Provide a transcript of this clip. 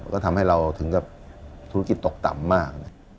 ก็ทำให้เราถึงกับธุรกิจตกต่ำมาก